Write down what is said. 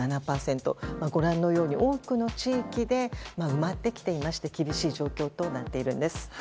ご覧のように多くの地域で埋まってきていまして厳しい状況となっているんです。